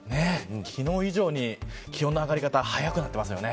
昨日以上に気温の上がり方早くなっていますよね。